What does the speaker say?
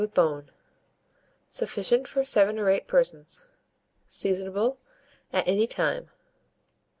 with bone. Sufficient for 7 or 8 persons. Seasonable at any time.